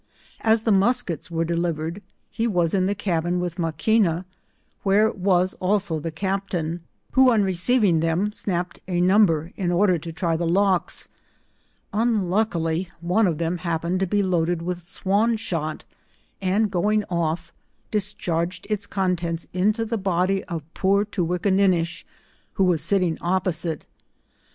As the muskets were delivered, he was in the cabin with Maquina, where was also the cap tain, who on receiving them, snapped a number in order to try the lochs; unluckily on3 of them happened to be loaded with swan shot, and going off, discharged its contents into the body of poor Toowinnakinnisb. who was sitting opposite.